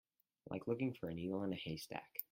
Like looking for a needle in a haystack.